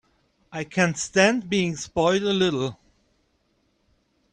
I can stand being spoiled a little.